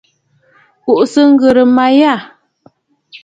Kùʼùsə ŋghɨrə mə̀ yə̂!